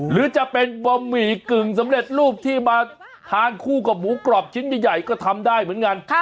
หรือจะเป็นบะหมี่กึ่งสำเร็จรูปที่มาทานคู่กับหมูกรอบชิ้นใหญ่ก็ทำได้เหมือนกัน